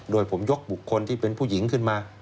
โดยผมยกบุคคลที่เป็นผู้หญิงขึ้นมา